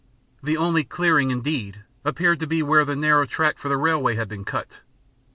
The only clearing, indeed, appeared to be where the narrow track for the railway had been cut.